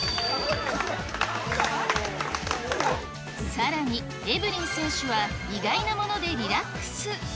さらに、エブリン選手は意外なものでリラックス。